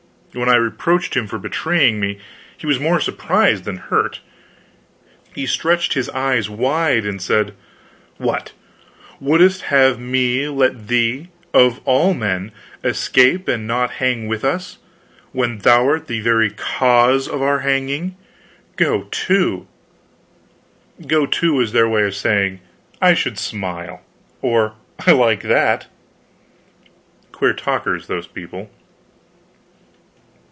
Then I reproached him for betraying me. He was more surprised than hurt. He stretched his eyes wide, and said: "What, wouldst have me let thee, of all men, escape and not hang with us, when thou'rt the very cause of our hanging? Go to!" "Go to" was their way of saying "I should smile!" or "I like that!" Queer talkers, those people.